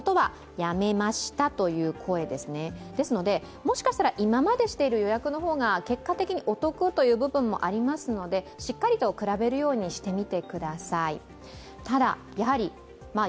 もしかしたら今までしている予約の方が結果的にお得という部分もありますので、しっかりと比べるようにしてください。